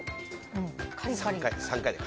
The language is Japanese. ３回だよ。